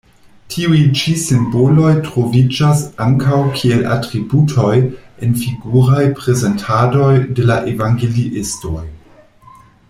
Tiuj ĉi simboloj troviĝas ankaŭ kiel atributoj en figuraj prezentadoj de la evangeliistoj.